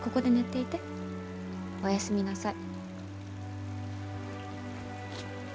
おやすみなさい。